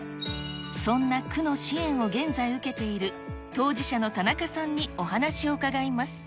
そんな区の支援を現在受けている当事者の田中さんにお話を伺いま